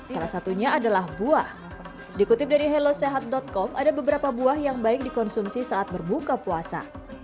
salah satunya adalah buah dikutip dari helosehat com ada beberapa buah yang baik dikonsumsi saat berbuka puasa